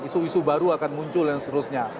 isu isu baru akan muncul dan seterusnya